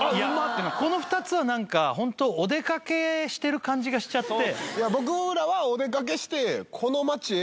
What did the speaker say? この２つはなんかホントお出かけしてる感じがしちゃって。